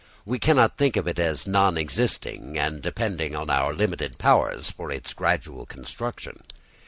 We cannot think of it as non existent and depending on our limited powers for its gradual construction.